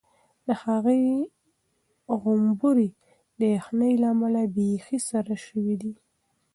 د هغې غومبوري د یخنۍ له امله بیخي سره شوي وو.